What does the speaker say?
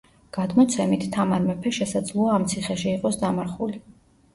გადმოცემით, თამარ მეფე შესაძლოა ამ ციხეში იყოს დამარხული.